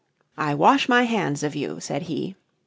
"I wash my hands of you," said he.